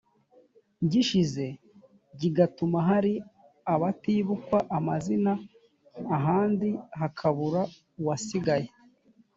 gishize gituma hari abatibukwa amazina ahandi hakabura uwasigaye